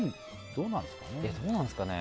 どうなんですかね。